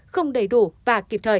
không đầy đủ và kịp thời